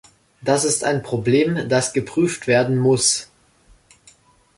Das ist ein Problem, das geprüft werden muss.